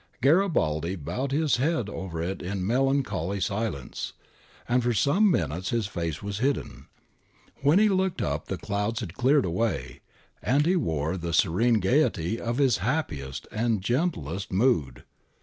Garibaldi bowed his head over it in melan 266 GARIBALDI AND THE MAKING OF ITALY choly silence, and for some minutes his face was hidden. When he looked up the clouds had cleared away, and he wore the 'serene gaiety' of his happiest and gentlest mood.